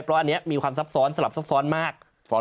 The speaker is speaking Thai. เพราะอันนี้มีความซับซ้อนสลับซับซ้อนมาก